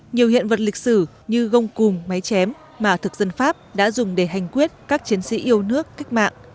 nhiều hiện vật lịch sử như gông cùng máy chém mà thực dân pháp đã dùng để hành quyết các chiến sĩ yêu nước cách mạng